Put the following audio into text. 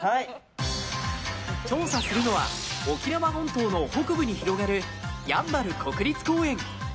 調査するのは沖縄本島の北部に広がるやんばる国立公園。